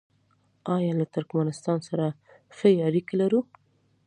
آیا له ترکمنستان سره ښې اړیکې لرو؟